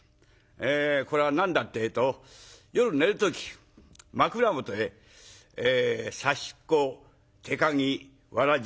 これは何だってえと夜寝る時枕元へ刺し子手かぎわらじ